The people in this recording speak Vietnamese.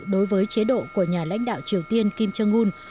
đối với chế độ của nhà lãnh đạo triều tiên kim jong un